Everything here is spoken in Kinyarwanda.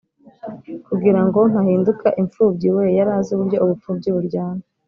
kugirango ntahinduka imfubyi we yarazi uburyo ubupfubyi buryana,